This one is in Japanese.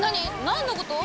何のこと？